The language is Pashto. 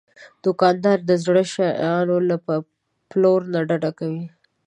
دوکاندار د زړو شیانو له پلور نه ډډه کوي.